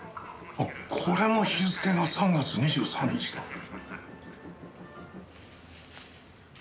あっこれも日付が３月２３日だ。